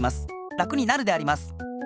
楽になるであります。